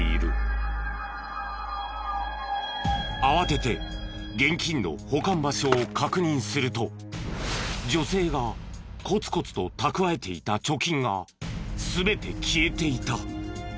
慌てて現金の保管場所を確認すると女性がコツコツと蓄えていた貯金が全て消えていた。